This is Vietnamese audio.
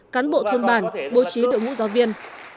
cán bộ thôn bản bố trí đội ngũ giáo viên